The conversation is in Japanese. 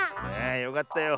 よかったよ。